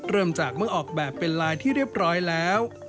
เริ่มจากเมื่อออกแบบเป็นลายที่เรียบร้อยแล้ว